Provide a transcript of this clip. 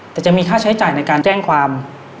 แต่จะมีค่าใช้จ่ายในการแจ้งความ